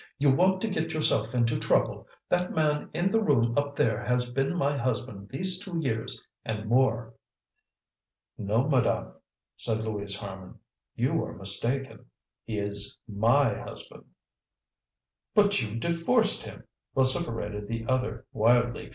"You want to get yourself into trouble! That man in the room up there has been my husband these two years and more." "No, madame," said Louise Harman, "you are mistaken; he is my husband." "But you divorced him," vociferated the other wildly.